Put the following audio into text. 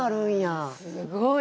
すごい。